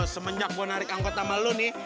semenjak gue narik angkot sama lo nih